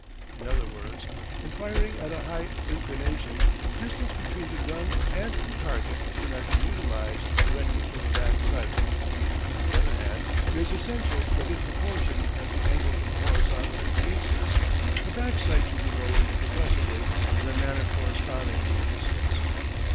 In other words, in firing at a high inclination, distance between the gun and the target cannot be utilised directly for the back sight. On the other hand, it is essential that in proportion as the angle from the horizontal increases, the back sight should be lowered progressively in a manner corresponding to the distance.